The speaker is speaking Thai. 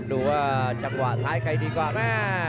ดูว่าจังหวะซ้ายไกลดีกว่า